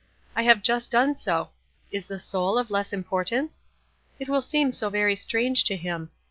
I have jvist done so. Is the sonl of less importance? It will seem so very strange to him.